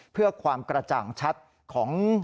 เพื่อความกระจ่างชัดของ